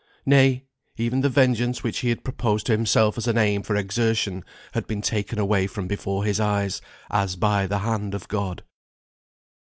Nay, even the vengeance which he had proposed to himself as an aim for exertion, had been taken away from before his eyes, as by the hand of God.